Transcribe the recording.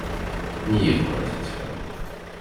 Ни его родителям.